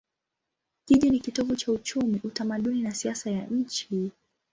Jiji ni kitovu cha uchumi, utamaduni na siasa ya nchi.